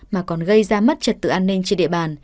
mà còn gây ra mất trật tự an ninh trên địa bàn